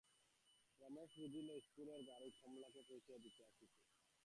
রমেশ বুঝিল, ইস্কুলের গাড়ি কমলাকে পৌঁছাইয়া দিতে আসিতেছে।